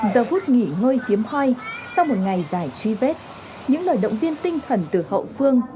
giờ vút nghỉ hơi tiếm hoi sau một ngày dài truy vết những lời động viên tinh thần từ hậu phương